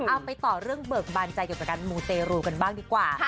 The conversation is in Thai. เอาไปต่อเรื่องเบิกบานใจเกี่ยวกับการมูเตรูกันบ้างดีกว่า